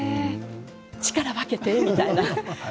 力を分けてみたいな。